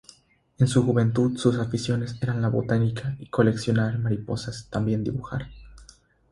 En su juventud, sus aficiones eran la Botánica, coleccionar mariposas y dibujar.